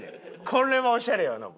これはオシャレよノブ。